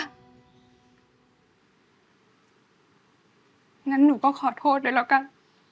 อันนั้นหนูก็ขอโทษเลยล่ะกัน